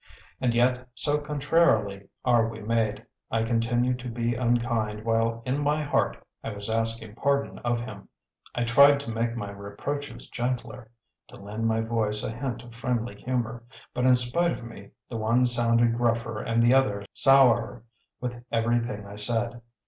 And yet, so contrarily are we made, I continued to be unkind while in my heart I was asking pardon of him. I tried to make my reproaches gentler, to lend my voice a hint of friendly humour, but in spite of me the one sounded gruffer and the other sourer with everything I said.